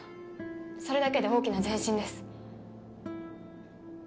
それだけで大きな前進です。